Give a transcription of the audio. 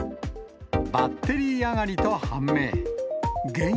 バッテリー上がりと判明。